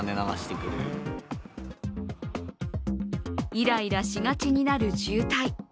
イライラしがちになる渋滞。